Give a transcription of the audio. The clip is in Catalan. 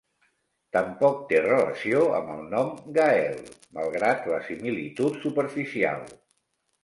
Tampoc té relació amb el nom "Gael", malgrat la similitud superficial.